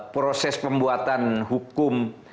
proses pembuatan hukum